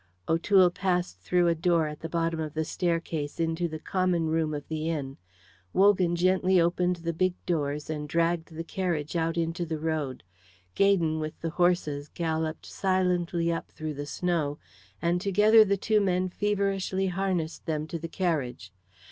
O'Toole passed through a door at the bottom of the staircase into the common room of the inn. Wogan gently opened the big doors and dragged the carriage out into the road. Gaydon with the horses galloped silently up through the snow, and together the two men feverishly harnessed them to the carriage.